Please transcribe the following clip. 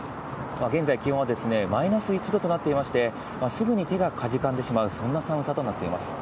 現在、気温はマイナス１度となっていまして、すぐに手がかじかんでしまう、そんな寒さとなっています。